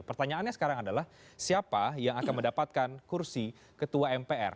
pertanyaannya sekarang adalah siapa yang akan mendapatkan kursi ketua mpr